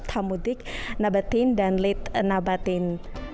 thamudik nabateen dan lid nabateen